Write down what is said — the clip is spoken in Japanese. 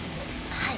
はい。